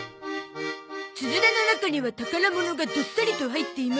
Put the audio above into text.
「つづらの中には宝物がどっさりと入っていましたとさ」